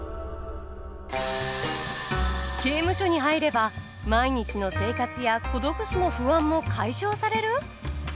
刑務所に入れば毎日の生活や孤独死の不安も解消される！？